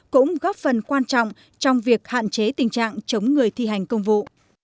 cũng góp phần quan trọng trong việc hạn chế tình trạng chống người thi hành công vụ